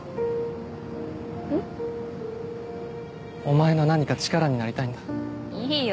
お前の何か力になりたいんだいいよ